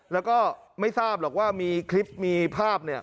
แล้วก็ไม่ทราบหรอกว่ามีคลิปมีภาพเนี่ย